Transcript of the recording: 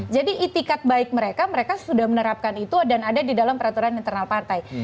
jadi itikat baik mereka mereka sudah menerapkan itu dan ada di dalam peraturan internal partai